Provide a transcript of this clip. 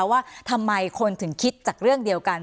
ว่าทำไมคนถึงคิดจากเรื่องเดียวกัน